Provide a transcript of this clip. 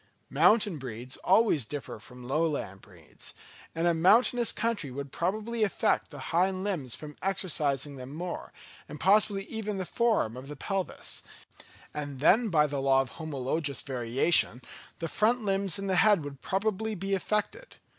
Mountain breeds always differ from lowland breeds; and a mountainous country would probably affect the hind limbs from exercising them more, and possibly even the form of the pelvis; and then by the law of homologous variation, the front limbs and the head would probably be affected.